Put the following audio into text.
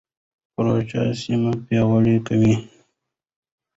پروژه سیمه پیاوړې کوي.